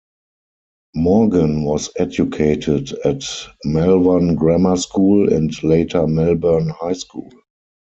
Morgan was educated at Malvern Grammar School and later Melbourne High School.